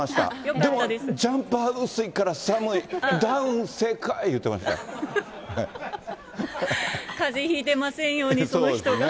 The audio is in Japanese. でも、ジャンパー薄いから寒い、ダウン正かぜひいてませんように、そそうですね。